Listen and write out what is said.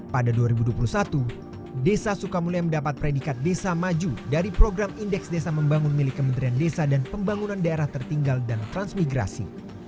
pada dua ribu dua puluh satu desa sukamulia mendapat predikat desa maju dari program indeks desa membangun milik kementerian desa dan pembangunan daerah tertinggal dan transmigrasi